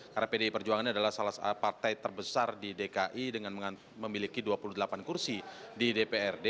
karena pdi perjuangan adalah salah satu partai terbesar di dki dengan memiliki dua puluh delapan kursi di dprd